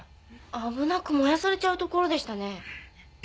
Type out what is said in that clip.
危なく燃やされちゃうところでしたね。